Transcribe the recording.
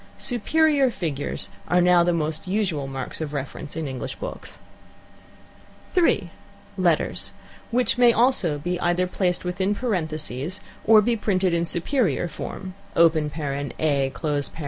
"Superior" figures are now the most usual marks of reference in English books. (3) Letters; which also may either be placed within parentheses or be printed in "superior" form: (a), (b), (c), &c.